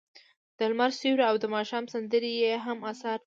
د لمر سیوری او د ماښام سندرې یې هم اثار دي.